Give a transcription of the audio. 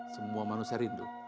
semua manusia rindu